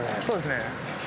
そうですね。